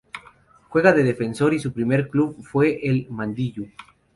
Juega de defensor y su primer club fue Mandiyú.